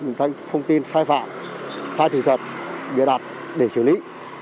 những thông tin sai phạm sai thực thật bịa đặt để xử lý